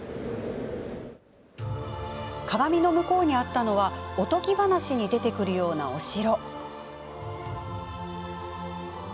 鏡の向こうにあったのはおとぎ話に出てくるようなお城。